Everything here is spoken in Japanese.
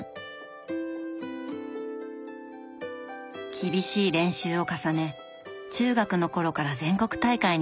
厳しい練習を重ね中学の頃から全国大会に出場。